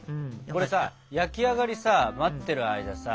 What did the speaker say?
これさ焼き上がりさ待ってる間さ